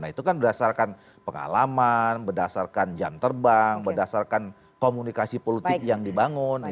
nah itu kan berdasarkan pengalaman berdasarkan jam terbang berdasarkan komunikasi politik yang dibangun